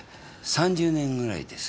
３０年ぐらいです。